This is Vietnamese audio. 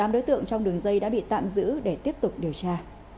một mươi tám đối tượng trong đường dây đã bị tạm giữ để tiếp tục điều tra